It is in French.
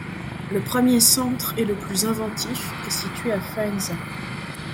Le premier centre et le plus inventif est situé à Faenza.